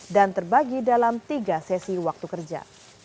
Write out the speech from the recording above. dan terbagi dalam tiga sesi waktu kerja